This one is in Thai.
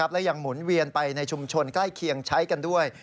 และยังหมุนเวียนไปในชุมชนใกล้เคียงใช้กันด้วย